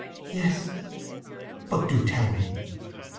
"Yes." "But do tell me!"